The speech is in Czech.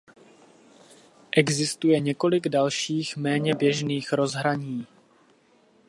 Existuje několik dalších méně běžných rozhraní.